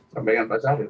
sampaikan pak syahril